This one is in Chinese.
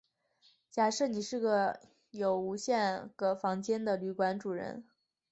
假设你是有无限个房间的旅馆主人。